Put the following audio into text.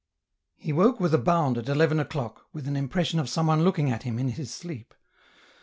He woke with a bound at eleven o'clock, with an impres sion of someone looking at him in his sleep.